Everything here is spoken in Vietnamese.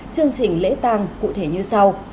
chương trình lễ tang cụ thể như sau